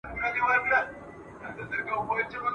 د غریب ملا په آذان څوک روژه هم نه ماتوي ..